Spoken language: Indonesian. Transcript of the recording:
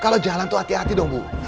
kalau jalan tuh hati hati dong bu